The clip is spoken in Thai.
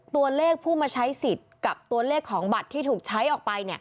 ตัวเลขผู้มาใช้สิทธิ์กับตัวเลขของบัตรที่ถูกใช้ออกไป